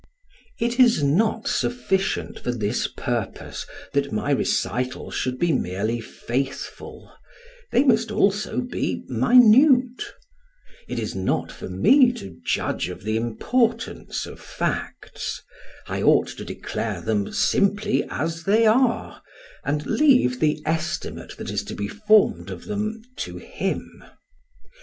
It is not sufficient for this purpose that my recitals should be merely faithful, they must also be minute; it is not for me to judge of the importance of facts, I ought to declare them simply as they are, and leave the estimate that is to be formed of them to him.